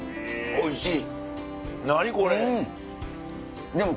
おいしい！